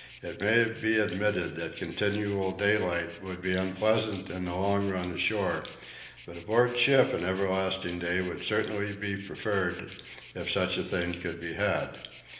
It may be admitted that continual daylight would be unpleasant in the long run ashore, but aboard ship an everlasting day would certainly be preferred, if such a thing could be had.